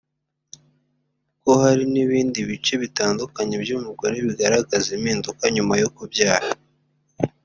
ko hari n’ibindi bice bitandukanye by’umugore bigaragaza impinduka nyuma yo kubyara